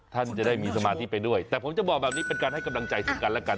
ท่านจะได้มีสมาธิไปด้วยแต่ผมจะบอกแบบนี้เป็นการให้กำลังใจซึ่งกันและกัน